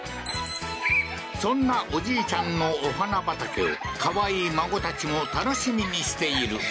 そんなおじいちゃんのお花畑をかわいい孫たちも楽しみにしている。